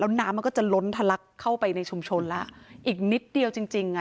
น้ำมันก็จะล้นทะลักเข้าไปในชุมชนแล้วอีกนิดเดียวจริงจริงอ่ะ